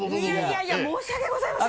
いやいや申し訳ございません。